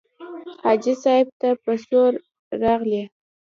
حاجي صاحب ته په څو راغلې.